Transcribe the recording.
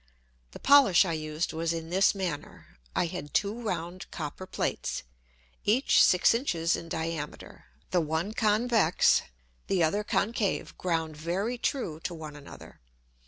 The Polish I used was in this manner. I had two round Copper Plates, each six Inches in Diameter, the one convex, the other concave, ground very true to one another.